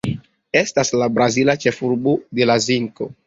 Estas la brazila ĉefurbo de la zinko.